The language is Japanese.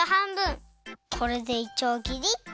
これでいちょうぎりっと。